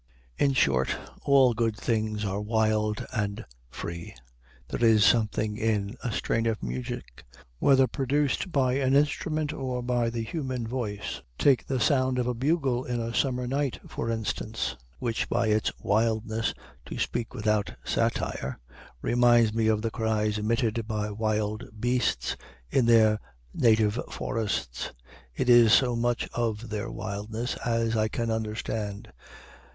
In short, all good things are wild and free. There is something in a strain of music, whether produced by an instrument or by the human voice, take the sound of a bugle in a summer night, for instance, which by its wildness, to speak without satire, reminds me of the cries emitted by wild beasts in their native forests. It is so much of their wildness as I can understand.